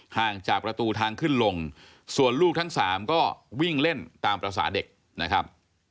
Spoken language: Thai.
ห่างจากประตูทางขึ้นลงส่วนลูกทั้งสามก็วิ่งเล่นตามภาษาเด็กนะครับ